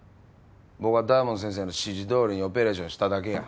僕は大門先生の指示どおりにオペレーションしただけや。